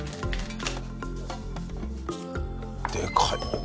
でかい。